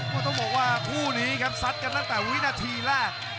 ต้องบอกว่าคู่นี้ครับซัดกันตั้งแต่วินาทีแรก